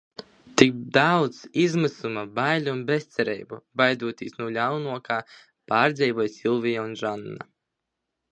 Tik daudz izmisuma, baiļu un bezcerības baidoties no ļaunākā, pārdzīvi Silvija un Žanna.